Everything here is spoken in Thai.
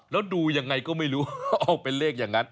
แล้วดูยังไงก็ไม่รู้เอาเป็นเลขอย่างนั้น